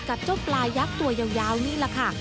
กับเจ้าปลายักษ์ตัวยาวนี่แหละค่ะ